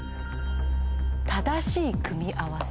正しい組み合わせ。